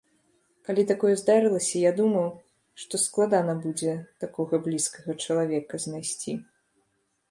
Калі такое здарылася, я думаў, што складана будзе такога блізкага чалавека знайсці.